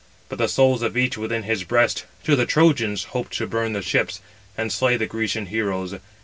But the soul of each within his breast, to the Trojans, hoped to burn the ships, and slay the Grecian heroes.